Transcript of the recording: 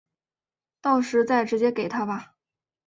到时再直接给他吧